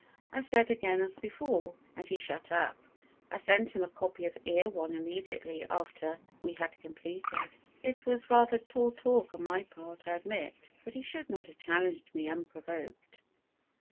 I said again as before, and he shut up. I sent him a copy of Erewhon immediately after we had completed. It was rather tall talk on my part, I admit, but he should not have challenged me unprovoked.